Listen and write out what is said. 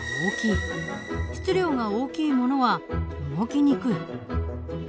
質量が大きいものは動きにくい。